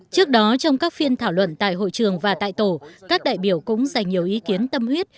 trước đó trong các phiên thảo luận tại hội trường và tại tổ các đại biểu cũng dành nhiều ý kiến tâm huyết